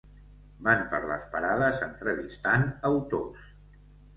Van per les parades entrevistant autors.